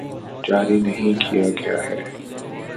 جاری نہیں کیا گیا ہے